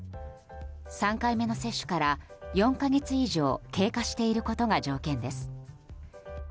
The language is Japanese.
３回目の接種から４か月以上経過していることが条件です。